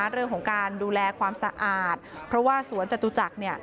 เรื่องของการดูแลความสะอาดเพราะว่าสวนจตุจักร